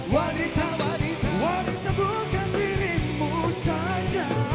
wanita wanita bukan dirimu saja